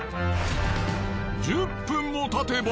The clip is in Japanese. １０分もたてば。